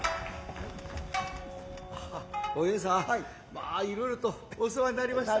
まあいろいろとお世話になりました。